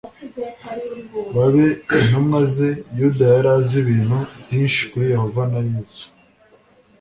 babe intumwa ze Yuda yari azi ibintu byinshi kuri Yehova na Yesu